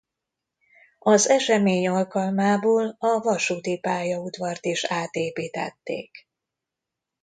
Az esemény alkalmából a vasúti pályaudvart is átépítették.